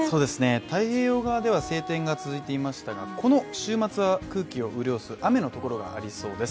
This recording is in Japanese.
太平洋側では晴天が続いていましたが、この週末は空気を潤す雨のところがありそうです。